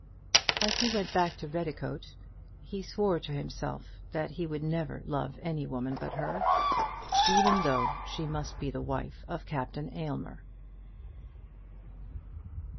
As he went back to Redicote, he swore to himself that he would never love any woman but her, even though she must be the wife of Captain Aylmer.